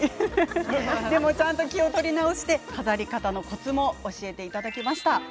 でも気を取り直して飾り方のコツも教えてもらいました。